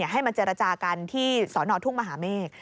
ให้มาเจรจากันที่สอนอทุ่งมหาเมฆ